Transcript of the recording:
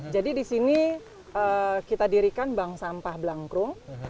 jadi di sini kita dirikan bank sampah blank room